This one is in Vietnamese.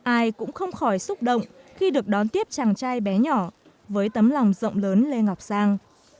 ai cũng không khỏi xúc động khi được đón tiếp chàng trai bé nhỏ với tấm lòng rộng lớn lê ngọc sang